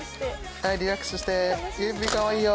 はいリラックスしてゆいＰかわいいよ。